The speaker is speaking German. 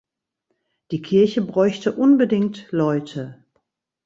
Die Kirche bräuchte unbedingt Leute.